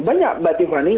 banyak mbak tiffany